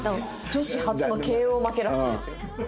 女子初のＫＯ負けらしいですよ。